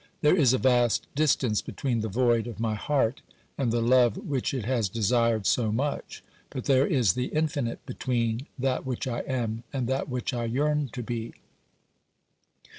There is a vast distance between the void of my heart and the love which it has desired so much, but there is the infinite between that which I am and that which I yearn to be.